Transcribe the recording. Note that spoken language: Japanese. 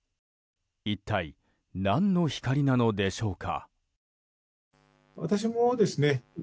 一体何の光なのでしょうか？